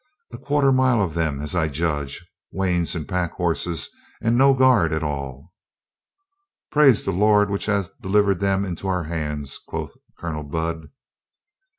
"A quarter mile of them, as I judge, wains and pack horses, and no guard at all." "Praise the Lord which hath delivered them into our hands," quoth Colonel Budd.